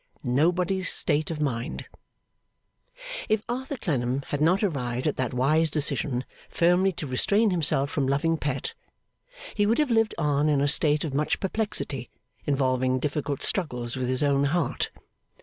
Nobody's State of Mind If Arthur Clennam had not arrived at that wise decision firmly to restrain himself from loving Pet, he would have lived on in a state of much perplexity, involving difficult struggles with his own heart.